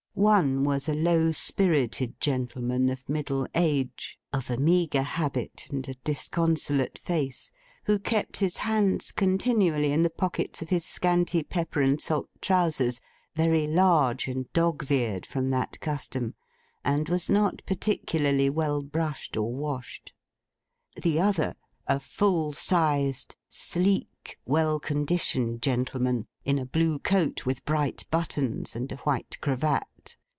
One was a low spirited gentleman of middle age, of a meagre habit, and a disconsolate face; who kept his hands continually in the pockets of his scanty pepper and salt trousers, very large and dog's eared from that custom; and was not particularly well brushed or washed. The other, a full sized, sleek, well conditioned gentleman, in a blue coat with bright buttons, and a white cravat.